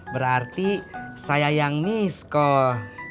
berarti saya yang miss call